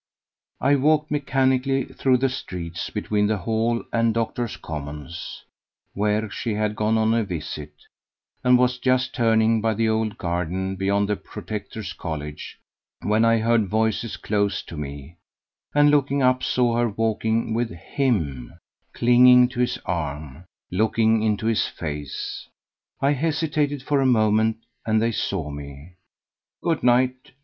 I walked mechanically through the streets between the Hall and Doctors' Commons, where she had gone on a visit, and was just turning by the old garden beyond the Proctors' College when I heard voices close to me, and looking up, saw her walking with him, clinging to his arm, looking into his face. I hesitated for a moment, and they saw me. "Good night!"